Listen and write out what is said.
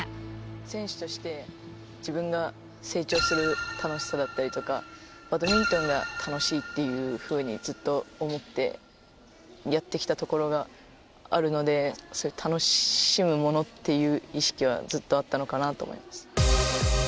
選手として自分が成長する楽しさだったりとかバドミントンが楽しいというふうにずっと思ってやってきたところがあるので楽しむものという意識はずっとあったのかなと思います。